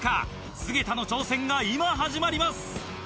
菅田の挑戦が今始まります。